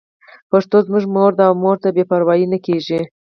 پښتو زموږ مور ده او مور ته بې پروايي نه کېږي.